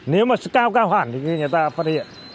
nếu mà cao cao hẳn thì người ta phát hiện